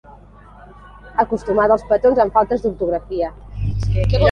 Acostumada als petons amb faltes d'ortografia.